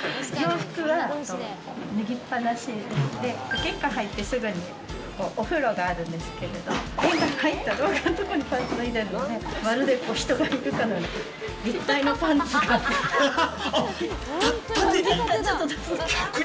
玄関入ってすぐにお風呂があるんですけど玄関入った廊下のところに脱いでるのでまるで人がいるかのように。